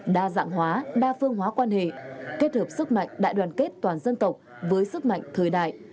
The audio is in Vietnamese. đa dạng hóa đa phương hóa quan hệ kết hợp sức mạnh đại đoàn kết toàn dân tộc với sức mạnh thời đại